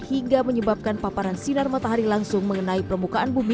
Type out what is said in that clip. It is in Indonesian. hingga menyebabkan paparan sinar matahari langsung mengenai permukaan bumi